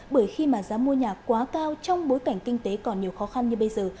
bởi khi mà giá mua nhà quá cao trong bối cảnh kinh tế còn nhiều khó khăn như bây giờ